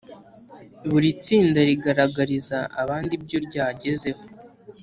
Buri tsinda rigaragariza abandi ibyo ryagezeho